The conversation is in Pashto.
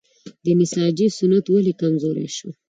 د نساجي صنعت ولې کمزوری شو؟